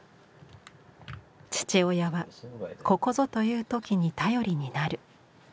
父親はここぞという時に頼りになる。